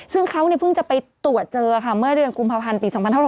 ซึ่งเขาเพิ่งจะไปตรวจเจอค่ะเมื่อเดือนกุมภาพันธ์ปี๒๕๖๐